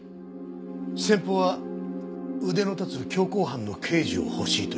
先方は腕の立つ強行犯の刑事を欲しいと言ってきてる。